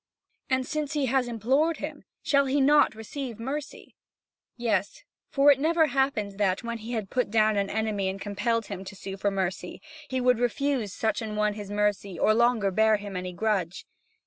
And, since he has implored him, shall he not receive mercy? Yes, for it never happened that, when he had put down an enemy and compelled him to sue for mercy, he would refuse such an one his mercy or longer bear him any grudge.